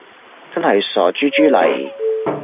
真係傻豬豬嚟